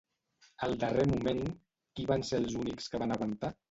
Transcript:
Al darrer moment, qui van ser els únics que van aguantar?